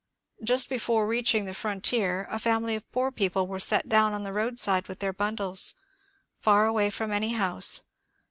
Just before reaching the frontier a family of poor people were set down on the roadside with their bundles, far away from any house.